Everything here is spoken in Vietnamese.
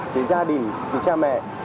về gia đình về cha mẹ